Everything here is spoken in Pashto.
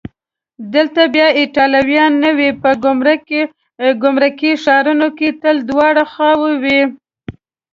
دلته به ایټالویان نه وي؟ په ګمرکي ښارونو کې تل دواړه خواوې وي.